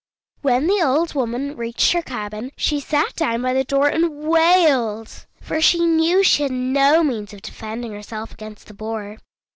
When the old woman reached her cabin she sat down by the door and wailed, for she knew she had no means of defending herself against the Boar.